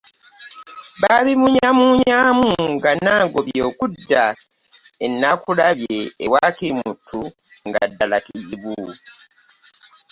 Baabimuumunyamuumunyaamu nga Nangobi okudda e Nnaakulabye ewa Kirimuttu nga ddala kizibu.